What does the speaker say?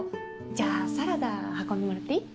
じゃあサラダ運んでもらっていい？